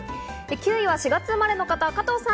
９位は４月生まれの方、加藤さん。